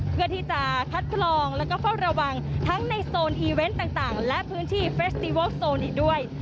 เพื่อที่จะคัดกรองแล้วก็เฝ้าระวังทั้งในโซนอีเวนต์ต่างและพื้นที่เฟสติวัลโซนอีกด้วย